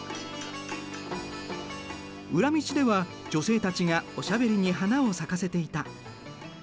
裏道では女性たちがおしゃべりに花を咲かせていた。